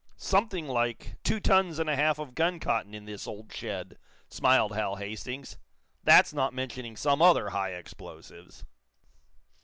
"Something like two tons and a half of guncotton in this old shed," smiled Hal Hastings. "That's not mentioning some other high explosives."